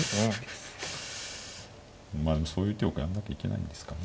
まあでもそういう手をやんなきゃいけないんですかね。